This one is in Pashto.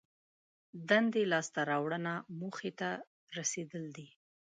دندې لاس ته راوړنه موخې رسېدلي دي.